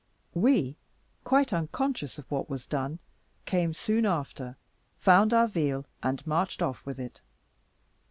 We, quite unconscious of what was done, came soon after, found our veal, and marched off with it.